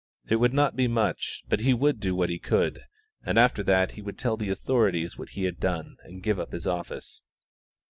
It would not be much, but he would do what he could, and after that he would tell the authorities what he had done and give up his office.